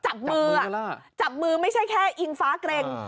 จับมือจับมือไม่ใช่แค่อิงฟ้าเกร็ง